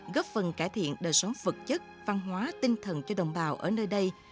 góp phần cải thiện đời sống vật chất văn hóa tinh thần cho đồng bào ở nơi đây